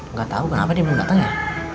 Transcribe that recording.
nggak tahu kenapa dia mau datang ya